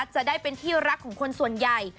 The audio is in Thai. จะได้เป็นที่รักของคนส่วนใหญ่